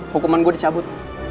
hukuman gue dicabut